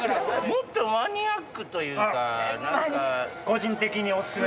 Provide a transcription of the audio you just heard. もっとマニアックというか。